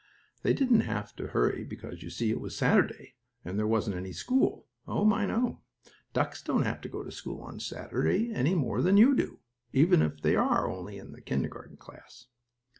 They didn't have to hurry because, you see, it was Saturday, and there wasn't any school. Oh, my no! Ducks don't have to go to school on Saturday any more than you do, even if they are only in the kindergarten class.